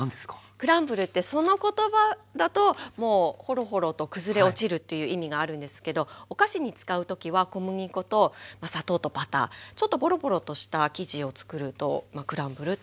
クランブルってその言葉だともうホロホロと崩れ落ちるっていう意味があるんですけどお菓子に使う時は小麦粉と砂糖とバターちょっとボロボロとした生地をつくるとクランブルっていう意味の生地になります。